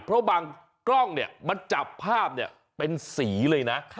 เพราะบางกล้องมันจับภาพเป็นสีเลยนะ